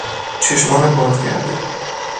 چشمان باد کرده